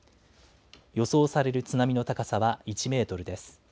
予想される津波の高さは１メートルです。